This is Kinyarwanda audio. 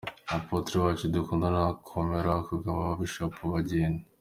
Apotre Wacu dukunda komera kigabo aba Bishop bagenda.